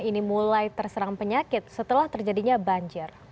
ini mulai terserang penyakit setelah terjadinya banjir